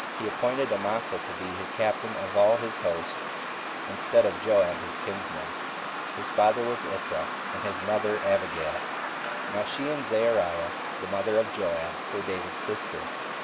He appointed Amasa to be captain of all his host, instead of Joab his kinsman: his father was Ithra and his mother Abigail: now she and Zeruiah, the mother of Joab, were David's sisters.